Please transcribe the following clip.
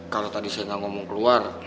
kalau tadi saya nggak ngomong keluar